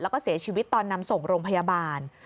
แล้วก็เสียชีวิตตอนนำส่งโรงพยาบาล